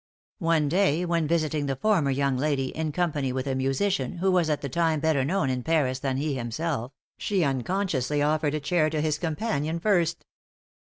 One day, when visiting the former young lady in company with a musician who was at the time better known in Paris that he himself, she unconsciously offered a chair to his companion first.